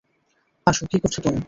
আসো, কি করছ তুমি?